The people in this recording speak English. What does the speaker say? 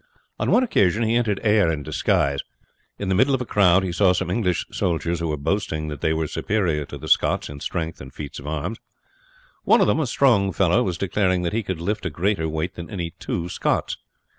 On one occasion he entered Ayr in disguise; in the middle of a crowd he saw some English soldiers, who were boasting that they were superior to the Scots in strength and feats of arms. One of them, a strong fellow, was declaring that he could lift a greater weight than any two Scots.